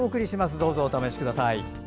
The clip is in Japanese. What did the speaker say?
どうぞ、お試しください。